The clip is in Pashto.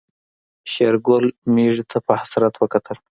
شېرګل ميږې ته په حسرت وکتل.